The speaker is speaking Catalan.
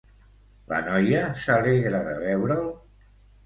La noia s'alegra de veure'l?